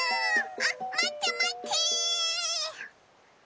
あっまってまって。